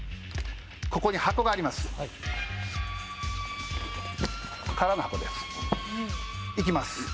ここに箱があります。